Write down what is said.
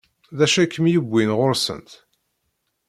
D acu i kem-yewwin ɣur-sent?